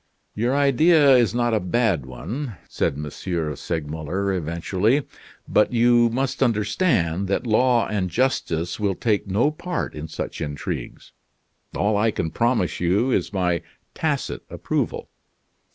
"Your idea is not a bad one," said M. Segmuller, eventually. "But you must understand that law and justice will take no part in such intrigues. All I can promise you is my tacit approval.